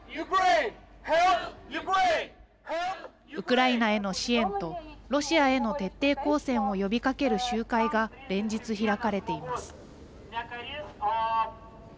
ウクライナへの支援とロシアへの徹底抗戦を呼びかける集会が連日、開かれています。